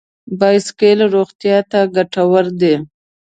بایسکل روغتیا ته ګټور دی.